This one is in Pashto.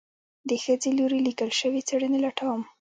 د خځې لوري ليکل شوي څېړنې لټوم